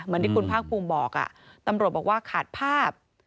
เหมือนที่คุณภาคภูมิบอกตำรวจบอกว่าขาดภาพ